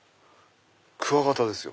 クワガタですよ。